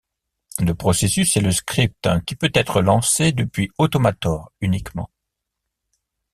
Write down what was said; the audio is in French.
Le processus est le script qui peut être lancé depuis Automator uniquement.